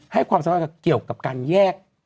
ให้ความสะอาดเกี่ยวกับการแยก